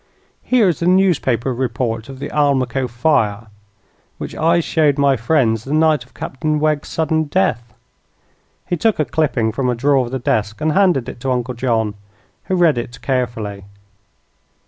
Here is the newspaper report of the Almaquo fire, which I showed my friends the night of Captain Wegg's sudden death." He took a clipping from a drawer of the desk and handed it to Uncle John, who read it carefully.